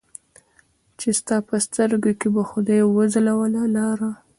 چې ستا په سترګو کې به خدای وځلوله لاره